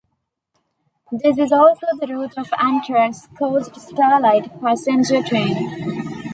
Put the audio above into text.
This is also the route of Amtrak's "Coast Starlight" passenger train.